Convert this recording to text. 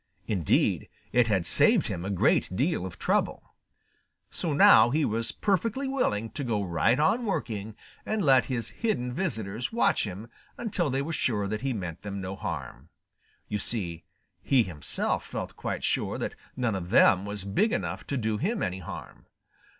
Indeed, it had saved him a great deal of trouble. So now he was perfectly willing to go right on working and let his hidden visitors watch him until they were sure that he meant them no harm. You see, he himself felt quite sure that none of them was big enough to do him any harm.